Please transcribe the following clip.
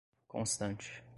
constante